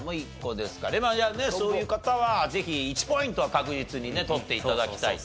まあいやねそういう方はぜひ１ポイントは確実にね取って頂きたいと。